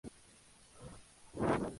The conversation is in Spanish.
Hay algunas funciones que aún no posee.